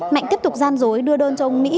mạnh tiếp tục gian dối đưa đơn cho ông mỹ